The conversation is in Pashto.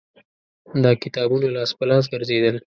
دا کتابونه لاس په لاس ګرځېدل